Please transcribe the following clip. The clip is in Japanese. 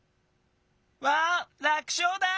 わあ楽しょうだ！